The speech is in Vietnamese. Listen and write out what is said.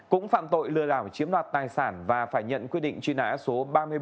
cũng phạm tội lừa đảo chiếm loạt tài sản và phải nhận quyết định chuyên án số ba mươi bảy